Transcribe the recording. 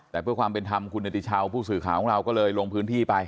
แต่เพื่อความเป็นธรรมคุณเนติชาวผู้สื่อข่าวของเราก็เลยลงพื้นที่ไป